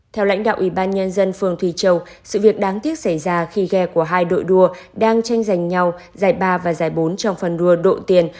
theo lãnh đạo ubnd phường thủy châu sự việc đáng tiếc xảy ra khi ghe của hai đội đua đang tranh giành nhau giải ba và giải bốn trong phần đua độ tiền